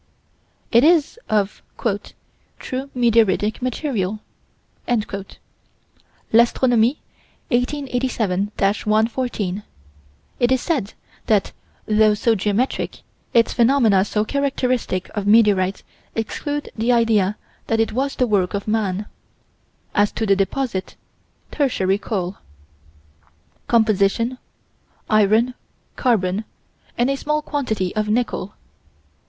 It is of "true meteoritic material." L'Astronomie, 1887 114, it is said that, though so geometric, its phenomena so characteristic of meteorites exclude the idea that it was the work of man. As to the deposit Tertiary coal. Composition iron, carbon, and a small quantity of nickel.